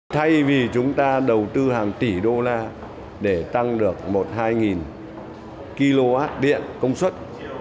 thay vì chúng ta đầu tư hàng tỷ đô la để tăng được một hai kwh điện công suất